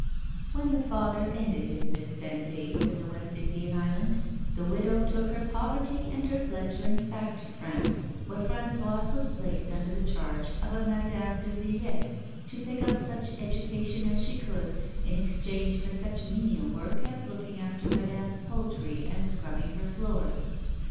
When the father ended his mis spent days in the West Indian island, the widow took her poverty and her fledgelings back to France, where Françoise was placed under the charge of a Madame de Villette, to pick up such education as she could in exchange for such menial work as looking after Madame's poultry and scrubbing her floors.